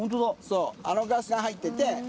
そうあのガス缶入ってて。